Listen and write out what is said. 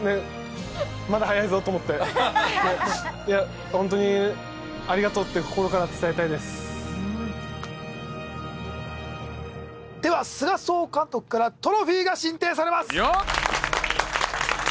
まだ早いぞと思って本当にありがとうって心から伝えたいですでは須賀総監督からトロフィーが進呈されますよっ！